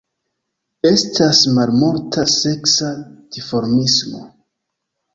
Estas malmulta seksa dimorfismo.